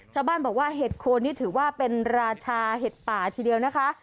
ชาวบ้านบอกว่าเห็ดโคนนี่ถือว่าเป็นราชาเห็ดป่าทีเดียวนะคะ